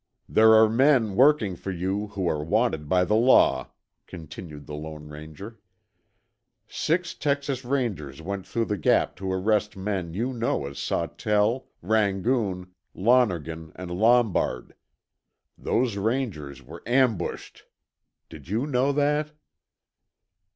"There are men working for you who are wanted by the law," continued the Lone Ranger. "Six Texas Rangers went through the Gap to arrest men you know as Sawtell, Rangoon, Lonergan, and Lombard. Those Rangers were ambushed. Did you know that?"